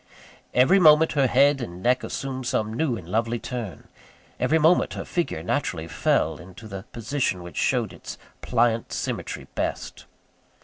Every moment, her head and neck assumed some new and lovely turn every moment her figure naturally fell into the position which showed its pliant symmetry best.